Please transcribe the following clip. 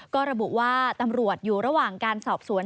ก็ระบุว่าตำรวจอยู่ระหว่างการสอบสวน